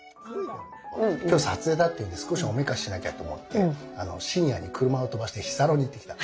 今日撮影だっていうんで少しおめかししなきゃと思って深夜に車を飛ばして日サロに行ってきた。